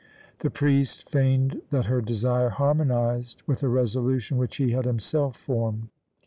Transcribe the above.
The priest feigned that her desire harmonized with a resolution which he had himself formed.